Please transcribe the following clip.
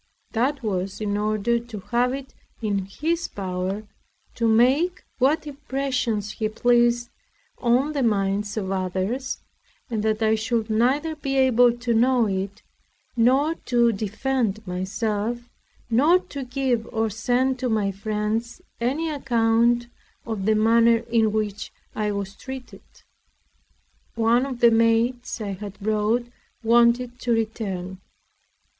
That was in order to have it in his power to make what impressions he pleased on the minds of others, and that I should neither be able to know it, nor to defend myself, nor to give or send to my friends any account of the manner in which I was treated. One of the maids I had brought wanted to return.